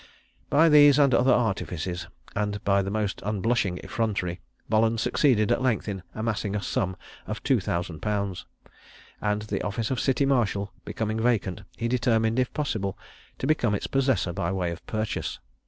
By these and other artifices, and by the most unblushing effrontery, Bolland succeeded at length in amassing a sum of two thousand pounds; and the office of City marshal becoming vacant, he determined, if possible, to become its possessor by way of purchase.